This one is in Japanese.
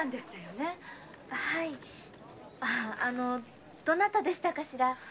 はいあのどなたでしたかしら？